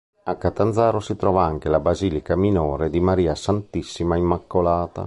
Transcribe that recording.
A Catanzaro si trova anche la basilica minore di Maria Santissima Immacolata.